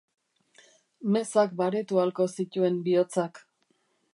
Mezak baretu ahalko zituen bihotzak.